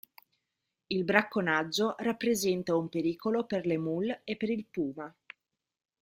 Il bracconaggio rappresenta un pericolo per l"'huemul" e per il puma.